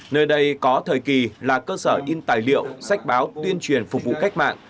nơi đây có thời kỳ là cơ sở in tài liệu sách báo tuyên truyền phục vụ cách mạng